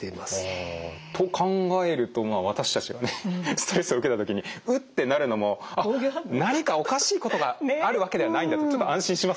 ストレスを受けた時にうってなるのも何かおかしいことがあるわけではないんだとちょっと安心しますね。